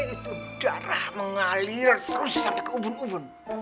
itu darah mengalir terus sampai ke ubun ubun